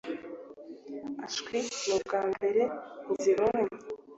Ashwi ! ni ubwa mbere nzibonye